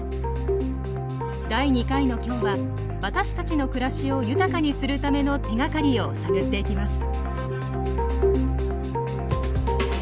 第２回の今日は私たちの暮らしを豊かにするための手がかりを探っていきます。